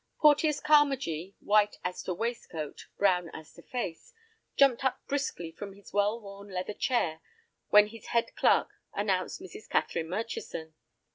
Porteus Carmagee, white as to waistcoat, brown as to face, jumped up briskly from his well worn leather chair when his head clerk announced Mrs. Catherine Murchison.